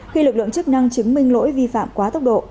khi lực lượng chức năng chứng minh lỗi vi phạm quá tốc độ